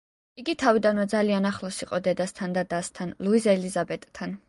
იგი თავიდანვე ძალიან ახლოს იყო დედასთან და დასთან, ლუიზ ელიზაბეტთან.